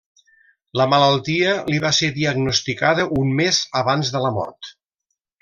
La malaltia li va ser diagnosticada un mes abans de la mort.